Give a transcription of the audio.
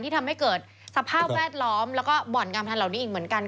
ทำให้เกิดสภาพแวดล้อมแล้วก็บ่อนการพนันเหล่านี้อีกเหมือนกัน